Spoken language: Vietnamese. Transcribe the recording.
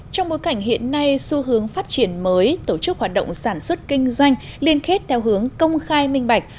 trong bối cảnh hiện nay xu hướng phát triển mới tổ chức hoạt động sản xuất kinh doanh liên kết theo hướng công khai minh bạch